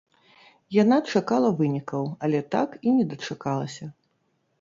Яна чакала вынікаў, але так і не дачакалася.